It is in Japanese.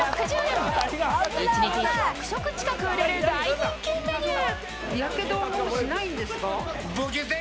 一日１００食売れる大人気メニュー。